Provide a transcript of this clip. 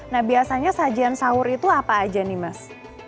nah biasanya sajian sahur itu apa aja nih mas